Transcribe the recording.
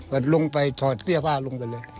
ก็ลงไปถอดเสื้อผ้าลงไปเลย